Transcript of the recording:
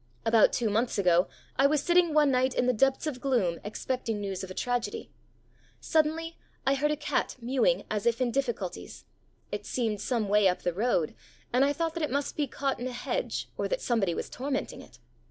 About two months ago I was sitting one night in the depths of gloom expecting news of a tragedy. Suddenly, I heard a cat mewing as if in difficulties. It seemed some way up the road, and I thought that it must be caught in a hedge, or that somebody was tormenting it.